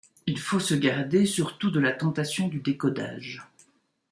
Il faut se garder, surtout de la tentation du décodage.